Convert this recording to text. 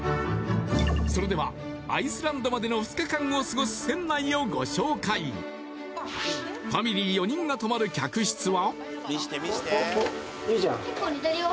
それではアイスランドまでの２日間を過ごす船内をご紹介ファミリー４人が泊まる客室は？